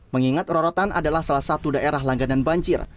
mengingat rorotan adalah salah satu daerah langganan banjir